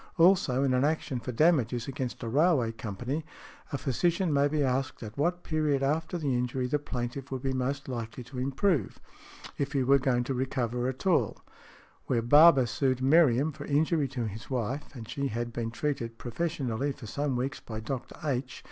Also, in an action for damages against a railway company, a physician may be asked at what period after the injury the plaintiff would be most likely to improve, if he were going to recover at all . Where Barber sued Meriam for injury to his wife, and she had been treated professionally for some weeks by Dr. H.